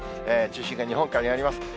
中心が日本海にあります。